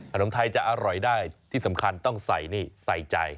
ขนมไทยจะอร่อยได้ที่สำคัญต้องใส่นี่ใส่ใจ